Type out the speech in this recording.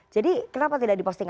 jadi kenapa tidak diposting